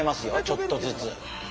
ちょっとずつ。